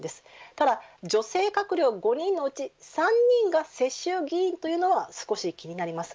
ただ、女性閣僚５人のうち３人が世襲議員というのは少し気になります。